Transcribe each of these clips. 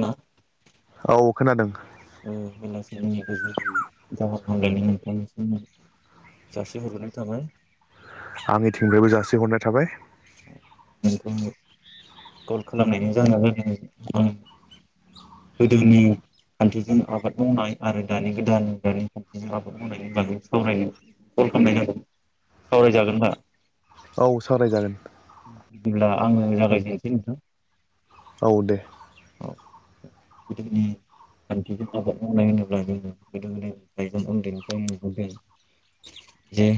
ना। औ खोनादों। उ मेला सलानि गोजौ गाहाम हामलायनाय नोंथां जासिहरग्रोनाय थाबाय। आंनिथिंफ्रायबो जासिहरनाय थाबाय। नोंखौनो। गल खालामनायनि जाहोना जालों उ गोदोनि खान्थिजों आबाद मावनाय आरो दानि गोदान दानि खान्थिजों आबाद मावनायनि बागै सावरायनो कल खालामनाय जादों सावराय जागोनदा। औ सावरायजागोन। ब्ला। आंङो जागायजेन। औ दे। गोदोनि खान्थिजों आबाद मावनाय होनोब्ला जोङो गोदो गोदायनि थाइगं उन्दैनिफ्राय नुहदों जे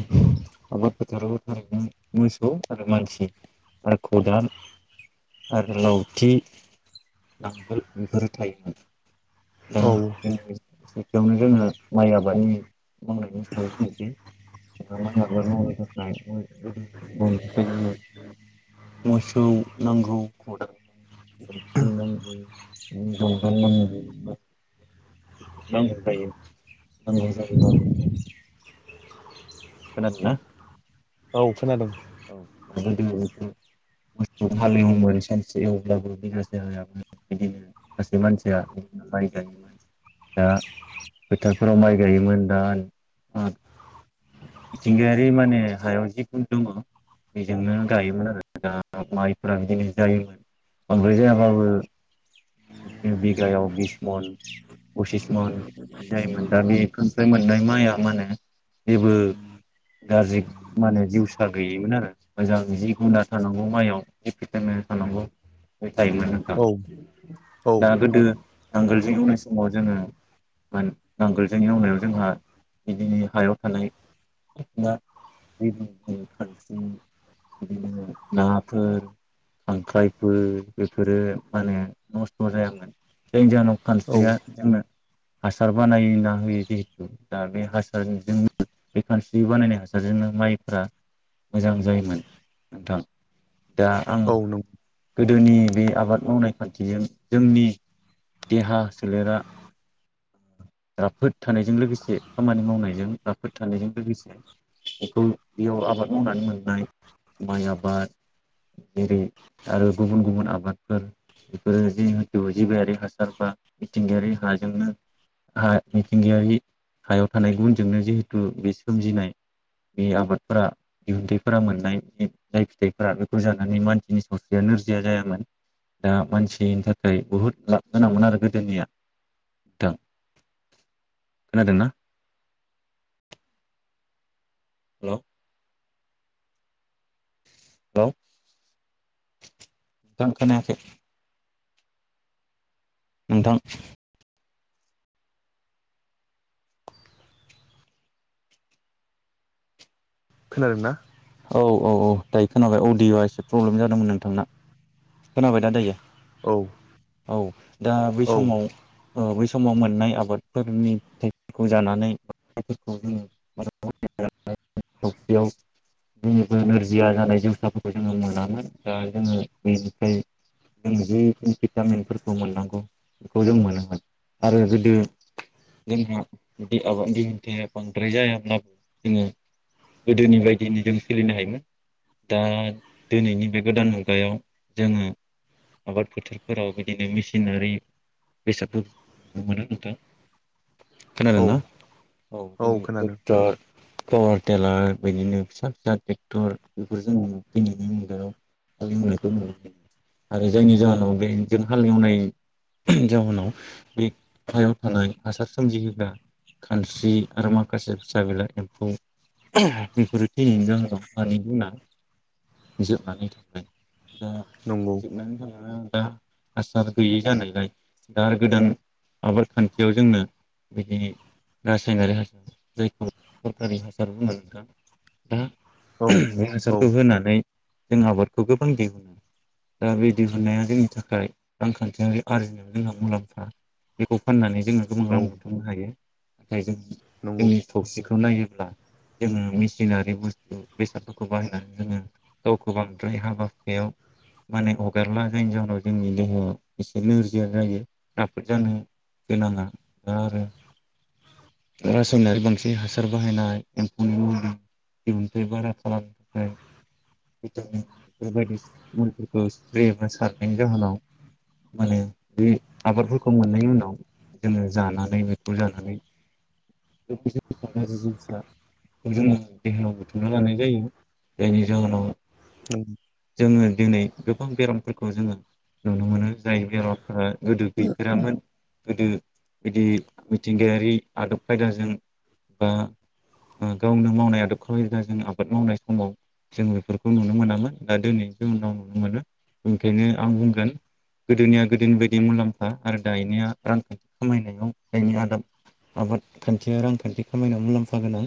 आबाद फोथाराव थारैनो मोसौ आरो मानसि आरो खदाल। आरो लावथि नांगोल बेफोरो थायोमोन दा औ जोंनि सेथियावनो जोङो माइ आबादनि मावनायनि सायाव बुंनोसै माइ आबाद मावनो थाखाय गोदो मावनो थाखाय जोङो मोसौ। नोंगौ खोनादों ना औ खोनादों [unintelligible] हालेवोमोन सानसे एवब्लाबो बे सासे हायोन बिदिनो सासे मानसिया माइ गायोमोन दा फोथारफोराव माइ गायोमोन दा मिथिंगायारि माने हायाव जिखुनु दंङ बेजोंनो गायोमोन आरो दा। माइफोरा बिदिनो जायोमोन बांद्राय जायाबाबो बिदिनो बिगायाव बिस मन पसिस मन बिदि जायोमोन दा बे फोरनिफ्राय मोननाय माइआ माने जेबो गाज्रि माने जिउसा गैयोमोन आरो मोजां जि गुना थानांगौ। आ माइआव जि फिटनो थानांगौ थायोमोन औ औ दा गोदो नांगोलजों एवनाय समाव जोंङो नांगोलजों एवनायाव जोंहा बिदिनो हायाव थानाय खानस्रि बिदिनो। नाफोर खांख्राइफोर बेफोरो माने नस्थ जायामोन जायनि जाहोनाव औ खानस्रिया जोंनो हासार बानायना होयो जिहेथु दा बे हासारजों बे खानस्रि बानायनाय हासारजोंनो माइफोरा मोजां जायोमोन नोंथां। दा आं औ नों गोदोनि बे आबाद मावनाय खान्थिजों जोंनि देहा सोलेरा राफोद थानायजों लोगोसे खामानि मावनायजों राफोद थानायजों लोगोसे बेखौ बेयाव आबाद मावनानै मोननाय माइ आबाद जेरै आरो गुबुन-गुबुन आबादफोर बेफोरो जिहेथु जिबायारि हासार बा मिथिंगायारि हाजोंनो हा मिथिंगायारि हायाव थानाय गुनजोंनो जिहेथु बे सोमजिनाय बे आबादफोरा दिहुनथाइफोरा मोननाय बे जाय फिथाइफोरा बेखौ जानानै मानसिनि ससेया नोरजिया जायामोन दा मानसिनि थाखाय बुहुद लाब गोनांमोन आरो गोदोनिया नोंथां खोनादोंना। हेलौ हेलौ आं खोनायाखै नोंथां खोनादों ना औ औ औ दायो खोनाबाय अडिअआ एसे प्रब्लेम जादोंमोन नोंथांना खोनाबाय दा दायो। औ औ दा बै औ समाव ओ बै समाव मोननाय आबादफोरनि फिथाइफोरखौ जानानै [unintelligible] जोंनिबो नोरजिया जानाय जिवसाफोरखौ जोंङो मोनामोन दा जोंङो बेनिफ्राय जों जिख भिटामिनफोरखौ मोननांगौ बेखौ जों मोनामोन आरो गोदो जोंहा आबाद दिहन्थाया बांद्राय जायाब्लाबो जोंङो गोदोनि बायदि‌ बिनि जों सोलिनो हायोमोन दा दिनैनि बे गोदान मुगायाव जोंङो आबाद फोथारफोराव बिदिनो मेसिनारि बेसादफोरखौ नुनो मोनो नोंथां खोनादों औ ना। औ बिदिनो ट्रेक्टर पावार टेलार बिदिनो फिसा-फिसा ट्रेक्टर बेफोर जों दिनैनि मुगायाव हालेवनायखौ नुनो आरो जायनि जाहोनाव बे जों हालेवनाय जाहोनाव बे हायाव थानाय हासार सोमजिहोग्रा खानस्रि आरो माखासे फिसा बिला एम्फौ बोरै थैनायनि जाहोनाव हानि गुना‌ जोबनानै थांबाय दा नंगौ जोबनानै थां दा हासार गैयि जानायलाय दा गोदान आबाद खान्थियाव जोंनो बिदि रासायनारि हासार जायखौ सरखारि हासार बुंङो नोंथां। दा औ बे औ हासारखौ होनानै जों आबादखौ गोबां दिहुनो दा बे दिहुननाया जोंनि थाखाय रांखान्थियारि आरिजिनायाव जोंहा मुलाम्फा बेखौ फाननानै जोंङो गोबां औ रां बुथुमनो हायो नाथाय जों नंगौ जोंनि थौसिखौ नायोब्ला जोंङो। सिनारि बुस्थु बेसादफोरखौ बाहायनानै जोंङो गावखौ बांद्राय हाबा हुखायाव माने हगारला जायनि जाहोनाव जोंनि देहाया एसे नोरजिया जायो राफोद जानो गोनांङा दा आरो रासायनारि बांसिन हासार बाहायनाय एम्फौनि मुलि दिहुनथाइ बारा खालामनो थाखाय भिटामिन बेफोरबायदि मुलिफोरखौ स्प्रे एबा सारनायनि जाहोनाव माने बे आबादफोरखौ मोननायनि उनाव जोंङो जानानै बेखौ जानानै जि जिबसा जोंङो। देहायाव बुथुमना लानाय जायो जायनि जाहोनाव। औ जोंङो दिनै गोबां बेरामफोरखौ जोंङो नुनो मोनो जाय बेरामफोरा गोदो गैफेरामोन गोदो बिदि मिथिंगायारि आदब खायदाजों बा गावनो मावनाय आदब खयलाजों आबाद मावनाय समाव जों बेफोरखौ नुनो मोनामोन दा दिनैनि उनाव नुनो मोनो ओंखायनो आं बुंगोन गोदोनिया गोदोनि बायदि मुलाम्फा आरो दायानिया रांखान्थि खामायनायाव दायनि आदाब आबाद खान्थिया रांखान्थि खामायनायाव मुलाम्फा गोनां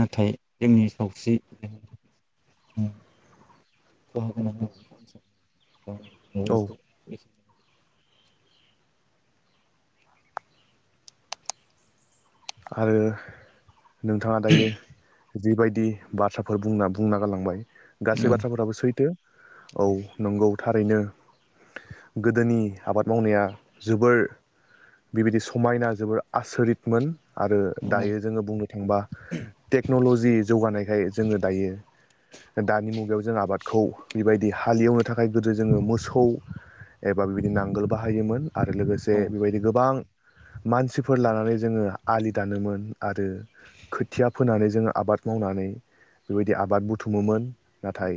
नाथाय जोंनि सावस्रि खहा गोनां औ औ औ आरो नोंथांङा दायो जिबायदि बाथ्राफोर बुंना-बुंना गालांबाय गासै बाथ्राफोराबो सैथो औ नोंगौ। थारैनो गोदोनि आबाद मावनाया जोबोर बेबायदि समायना जोबोर आसरितमोन आरो दायो जोंङो बुंनो थांङोबा टेक्नलजि जौगानायखाय जोंङो दायो दानि मुगायाव जों आबादखौ बेबायदि हालेवनो थाखाय गोदो जोंङो मोसौ एबा बिबायदि नांगोल बाहायोमोन। आरो लोगोसे बेबायदि गोबां मानसिफोर लानानै जोङो आलि दानोमोन आरो खोथिया फोनानै जोङो आबाद मावनानै बेबायदि आबाद बुथुमो मोन। नाथाय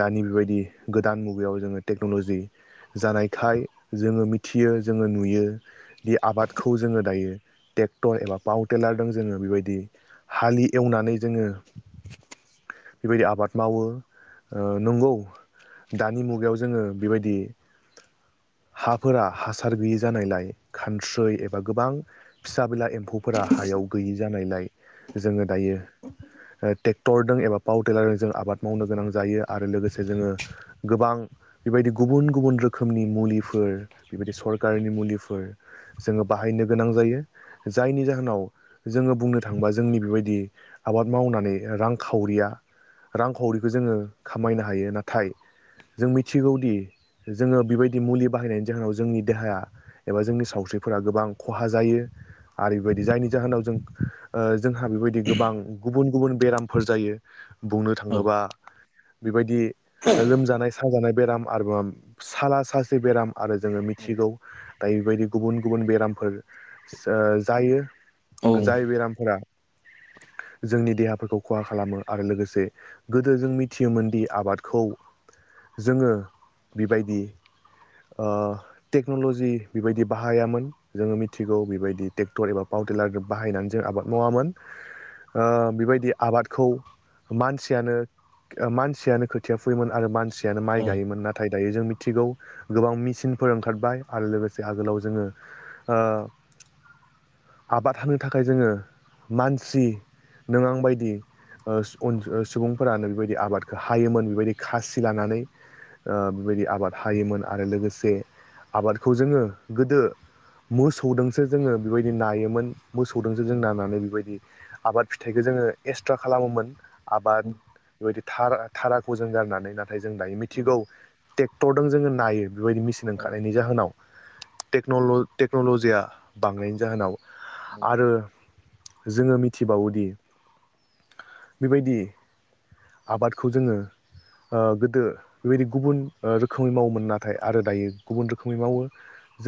दानि बेबायदि गोदान मुगायाव जोङो टेक्न'लजि जानायखाय जोङो मिथियो जोङो नुयो दि आबादखौ जोङो दायो टे 'क्टर एबा पावटेलारजों जोङो बेबायदि हालि एवनानै जोङो बेबायदि आबाद मावो। ओ नंगौ दानि मुगायाव जोङो बेबायदि हाफोरा हासार गैयि जानायलाय खानस्रै एबा गोबां फि फिसाबिला एम्फौफोरा हायाव गैयि जानायलाय जोङो दायो ओ ट्रेक्टरदों एबा पावटिलारजों जों आबाद मावनो गोनां जायो आरो लोगोसे जोङो गोबां बेबायदि गुबुन गुबुन रोखोमनि मुलिफोर बेबायदि सरकारनि मुलिफोर जोङो बाहायनो गोनां जायो। जायनि जाहोनाव जोङो बुंनो थाङोबा जोंनि बेबायदि आबाद मावनानै रांखावरिया रांखावरिखौ जोङो खामायनो हायो नाथाय जों मिथिगौदि जोङो बेबायदि मुलि बाहायनायनि जाहोनाव जोंनि देहाया एबा जोंनि सावस्रिफोरा गोबां खहा जायो। आरो बेबायदि जायनि जाहोनाव जों ओ जोंहा बेबायदि गोबां गुबुन गुबुन बेरामफोर जायो। बुंनो औ औ थाङोबा बेबायदि लोमजानाय साजानाय बेराम आरो बाम साला सासि बेराम आरो जोङो औ मिथिगौ दायो बेबायदि गुबुन गुबुन बेरामफोर सो जायो। औ जाय बेरामफोरा जोंनि देहाफोरखौ खहा खालामो आरो लोगोसे गोदो जों मिथियोमोन दि आबादखौ जोङो बेबायदि ओ टेक्न'लजि ओ बेबायदि बाहायामोन जोङो मिथि गौ बेबायदि टेक्ट'र एब पावटेलार बाहायनानै जों आबाद मावामोन ।ओ बेबायदि आबादखौ मानसिया नो मानसिया नो खोथिया फुयोमोन आरो मानसि नो औ माइ गायोमोन नाथाय दायो जों मिथिगौ गोबां मेसिनफोर ओंखारबाय आरो लोगोसे आगोलाव जोङो ओ आबाद हानो थाखाय जोङो मानसि नों आं बादि ओ सुबुंफोरानो बेबायदि आबादखौ हायोमोन बेबायदि खासि लानानै ।ओ बेबायदि आबाद हायोमोन आरो लोगोसे आबादखौ जोङो गोदो मोसौ दोंसो जोङो बेबायदि नायोमोन। मोसौदोंजो जों नांनानै बेबायदि आबाद फिथाइखो जोङो एक्सट्रा खालामोमोन। आबाद बेबायदि थार थाराखौ जों गारनानै ला जों दायो मिथिगौ टे क्थरदों जोङो नायो। बेबायदि मेसिन औ ओंखारनायनि जाहोनाव टक्नल टेक्नलजि या बांनायनि जाहोनाव आरो। जोङो मिथिबावोदि बेबायदि आबादखौ जोङो ओ गोदो बेबायदि गुबुन रोखोमै मावोमोन नाथाय आरो दायो गुबुन रोखोमै मावो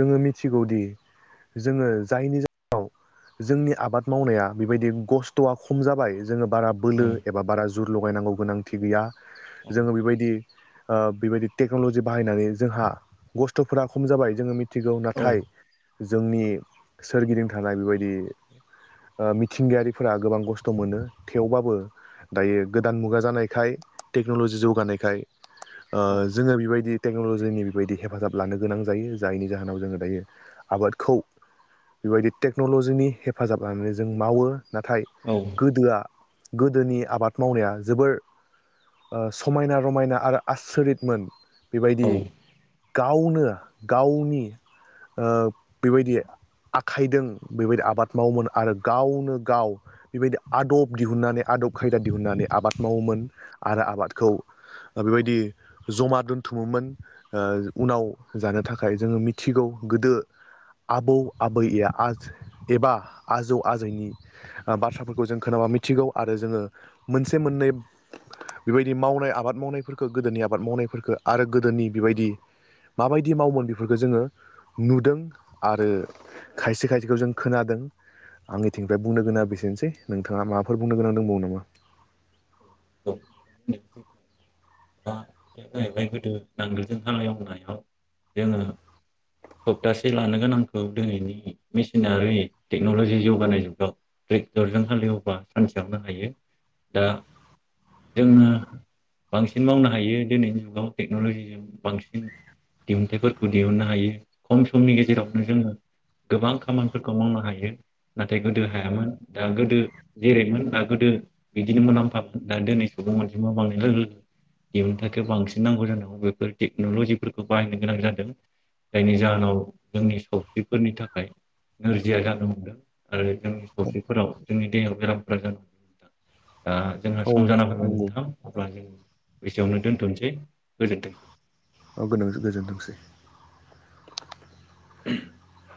जोङो मिथिगौदि जोङो जायनि जाहोनाव जोंनि आबाद मावनाया बेबायदि खस्थ'आ खम जाबाय। जोङो बारा बोलो एबा बारा ज जुर लगायनांगौ गोनांथि गैया। जोङो बेबायदि ओ बेबायदि टेक्न'लजि बाहायनानै जोंहा खस्थ'फोरा खम जाबाय जोङो मि थिगौ औ नाथाय आंनि सोरगिदिं थानाय बेबायदि ओ मिथिंगायारिफोरा गोबां खस्थ' मोनो थेवबाबो दायो गोदान मुगा जानायखाय टेक्न'लजि जौगानायखाय ओ औ जोङो बेबायदि टेक्न'लजिनि बेबायदि हेफाजाब लानो गोनां जायो जायनि जाहोनाव जोङो दायो आबादखौ बेबायदि टेक्न'लजिनि हेफाजाब लानानै जों मावो नाथाय औ गोदोआ गोदोनि आबाद मावनाया जोबोर ओ समायना रमायना आरो आसरितमोन औ बेबायदि गावनो गावनि ओ बेबायदि आखाइदों बेबायदि आबाद मावोमोन आरो गावनो गाव बेबायदि आदब दिहुननानै आदब खायदा दिहुननानै आबाद मावोमोन आरो औ आबादखौ ओ बेबायदि जमा दोन्थुमोमोन ओ उनाव जानो थाखाय जोङो मिथिगौ गोदो आबौ आबै आ एबा आजौ आजैनि बाथ्राफोरखौ जों खोनाबा मिथिगौ आरो जोङो मोनसे मोननै बेबायदि मावनाय आबाद मावनायफोरखौ गोदोनि आबाद मावनायफोरखौ आरो गोदोनि बेबायदि माबायदि मावोमोन बेफोरखौ जोङो नुदों आरो खायसे खायसेखौ जों खोनादों आंनिथिंनिफ्राय बुंनो गोनाङा बेसेनोसै नोंथाङा माबाफोर बुंनो गोनां दंबावो नामा? [unintelligible] [unintelligible] जाहैबाय गोदो नांगोलजों हालेवनायाव जोङो सप्तासे लानो गोनांखौ दिनैनि मेसिनारि टेक्न'लजि जौगानाय जुगाव ट्रेक्टरजों हालेवबा सानसेयावनो हायो दा जोङो बांसि सिन मावनो हायो दिनैनि जुगाव टेक्न'लजिजों बांसिन दिहुनथाइफोरखौ दिहुननो हायो खम समनि गेजेरावनो जोङो गोबां खामानिफोरखौ मावनो हायो नाथाय गोदो हायामोन दा गोदो जेरैमोन दा गोदो बिदिनो मुलाम्फामोन दा दिनै सुबुं मोनजोंबो बांनाय लोगो लोगो दिहुन्थायखौ बांसिन नांगौ ज जादों बेफोर टेक्न'लजिफोरखौ बाहायनो गोनां जादों जायनि जाहोनाव जोंनि सावस्रिफोरनि थाखाय नोरजिया जानो हमदों आरो जोंनि सावस्रिफोराव जोंनि देहायाव बेराम [unintelligible] दा जोंहा औ सम जाना फैबाय नंगौ नोंथां अब्ला जों एसेआवनो दोन्थ'सै गोजोनथों औ गोनो गोजोनथोंसै [inaudible]